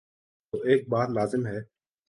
تو ایک بات لازم ہے۔